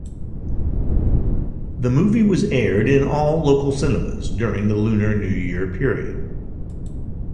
The movie was aired in all local cinemas during the Lunar New Year period.